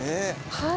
はい！